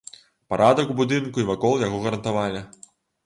Парадак у будынку і вакол яго гарантавалі.